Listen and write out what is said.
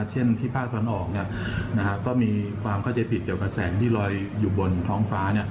เช่นที่ภาคตะวันออกก็มีความเข้าใจผิดเกี่ยวกับแสงที่ลอยอยู่บนท้องฟ้า